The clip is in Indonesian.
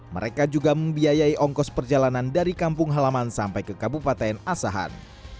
mereka juga membiayai ongkos perjalanan dari kampung halaman sampai ke kabupaten asahan